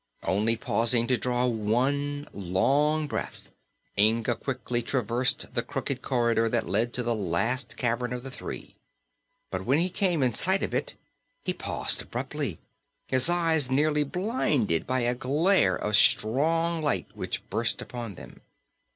Only pausing to draw one long breath of relief, Inga quickly traversed the crooked corridor that led to the last cavern of the three. But when he came in sight of it he paused abruptly, his eyes nearly blinded by a glare of strong light which burst upon them.